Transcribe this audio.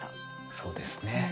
そうですね。